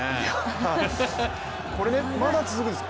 これ、まだ続くんです。